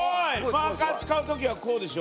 マーカー使う時はこうでしょ。